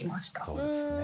そうですね